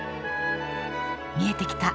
見えてきた。